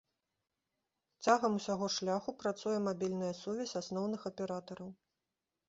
Цягам усяго шляху працуе мабільная сувязь асноўных аператараў.